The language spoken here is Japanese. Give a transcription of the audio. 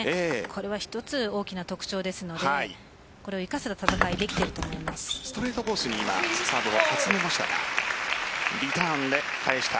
これは１つ大きな特徴ですのでこれを生かす戦いストレートコースにサーブを集めました。